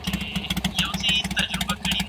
سم نیت ستونزي نه راوړي.